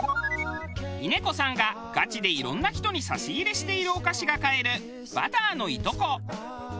峰子さんがガチでいろんな人に差し入れしているお菓子が買えるバターのいとこ。